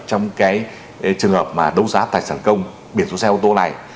trong trường hợp mà đấu giá tài sản công biển số xe ô tô này